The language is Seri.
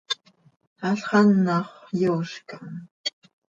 Halx anàxö yoozcam.